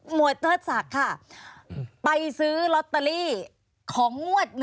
หมวดเทัดสักค่ะไปซื้อลอตเตอรี่ของวงวด